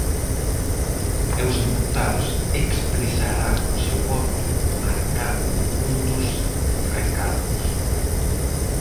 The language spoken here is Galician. E os deputados expresarán o seu voto marcando un dos recadros.